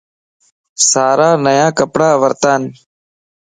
سارا نيا ڪپڙا ورتان